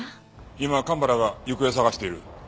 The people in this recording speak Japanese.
今蒲原が行方を捜している。